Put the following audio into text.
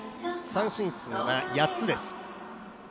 三振数は８つです。